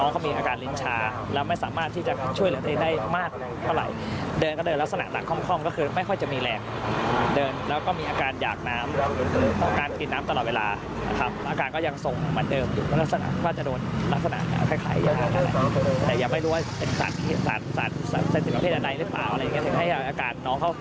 ถึงให้อาการน้องเขาเกิดอาการมึนอยู่ไว้ร้านตลอดเวลา